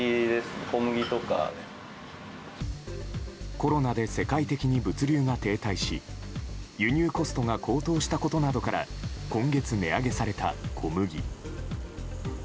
コロナで世界的に物流が停滞し輸入コストが高騰したことなどから今月値上げされた小麦。